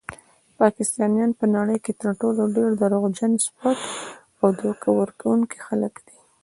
پاکستانیان په نړۍ کې تر ټولو ډیر دروغجن، سپک او دوکه ورکونکي خلک دي.